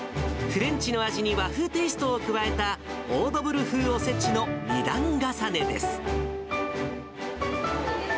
フレンチの味に和風テイストを加えた、オードブル風おせちの２段重ねです。